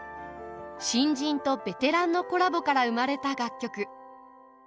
新人とベテランのコラボから生まれた楽曲。